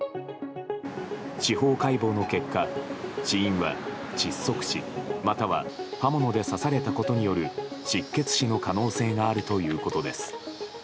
司法解剖の結果、死因は窒息死または、刃物で刺されたことによる失血死の可能性があるということです。